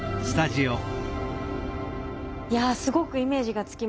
いやすごくイメージがつきました。